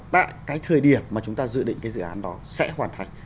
tại cái thời điểm mà chúng ta dự định cái dự án đó sẽ hoàn thành